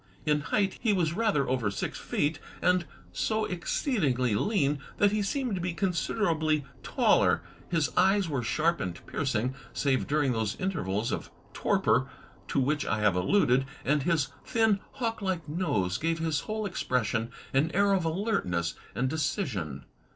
In height he was rather over six feet, and so exceedingly lean that he seemed to be considerably taller. His eyes were sharp and piercing, save during those intervals of torpor to which I have alluded; and his thin, hawk like nose gave his whole expression an air of alertness and decision.